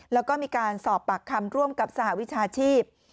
แล้วก็มีการสอบปากคำร่วมกับสหวิชาชีพ